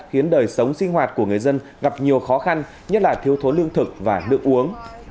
khiến đời sống sinh hoạt của người dân gặp nhiều khó khăn nhất là thiếu thốn lương thực và nước uống